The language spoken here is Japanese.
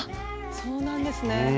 そうなんですね。